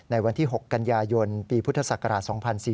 วันที่๖กันยายนปีพุทธศักราช๒๔๔